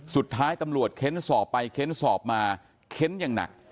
สุดท้ายตำรวจเค้นสอบไปเค้นสอบมาเค้นอย่างหนัก